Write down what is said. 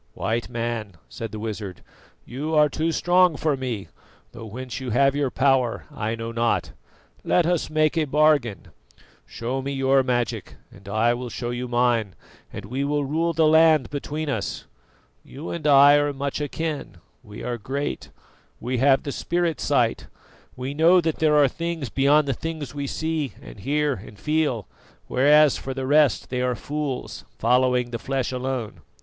"White Man," said the wizard, "you are too strong for me, though whence you have your power I know not. Let us make a bargain. Show me your magic and I will show you mine, and we will rule the land between us. You and I are much akin we are great; we have the spirit sight; we know that there are things beyond the things we see and hear and feel; whereas, for the rest, they are fools, following the flesh alone.